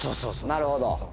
なるほど。